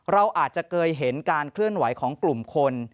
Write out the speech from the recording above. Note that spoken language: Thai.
เราอาจจะเคยเห็นการเคลื่อนไหวของกลุ่มคน